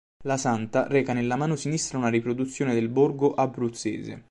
La santa reca nella mano sinistra una riproduzione del borgo abruzzese.